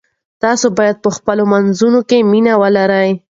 تاسو باید په خپلو منځونو کې مینه ولرئ.